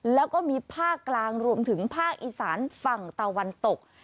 แล้วก็มีภาคกลางรวมถึงภาคอีสานฝั่งตะวันตก